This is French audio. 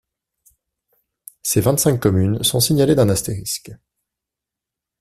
Ces vingt-cinq communes sont signalées d'un astérisque.